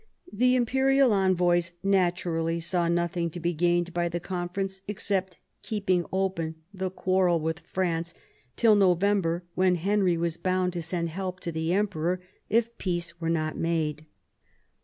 The imperial envoys naturally saw nothing to be gained by the conference except keeping open the quarrel with France till November, when Henry was bound to send help to the Emperor if peace were not made.